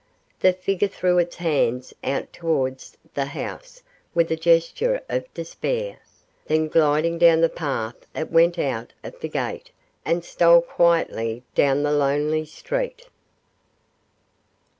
The figure threw its hands out towards the house with a gesture of despair, then gliding down the path it went out of the gate and stole quietly down the lonely street.